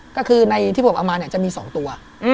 ก็คือในที่ผมเอามาเนี่ยจะมี๒ตัว